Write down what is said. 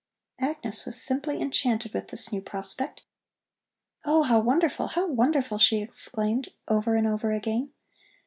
Agnes was simply enchanted with this new prospect. "Oh, how wonderful, how wonderful!" she exclaimed over and over again.